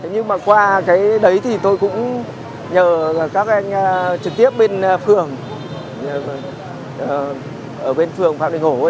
nhưng mà qua cái đấy thì tôi cũng nhờ các anh trực tiếp bên phường ở bên phường phạm bình hồ